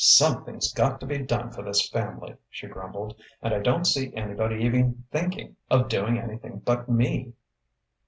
"Something's got to be done for this family," she grumbled "and I don't see anybody even thinking of doing anything but me!"